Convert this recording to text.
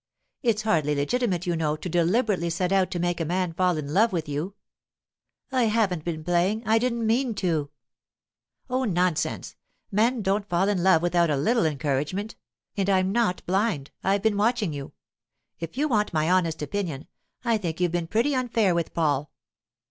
It's hardly legitimate, you know, to deliberately set out to make a man fall in love with you.' 'I haven't been playing. I didn't mean to.' 'Oh, nonsense! Men don't fall in love without a little encouragement; and I'm not blind—I've been watching you. If you want my honest opinion, I think you've been pretty unfair with Paul.